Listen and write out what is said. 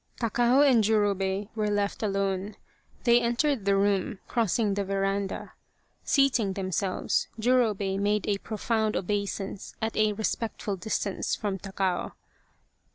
Takao and Jurobei were left alone. They entered the room, crossing the veranda. Seating themselves, Jurobei made a profound obeisance at a respectful distance from Takao.